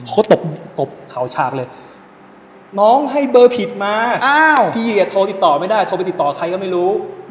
เขาตบตบเขาฉากเลยน้องให้เบอร์ผิดมาพี่โทรติดต่อไม่ได้โทรไปติดต่อใครก็ไม่รู้